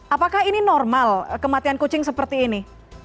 apakah ini normal kematian kucing seperti ini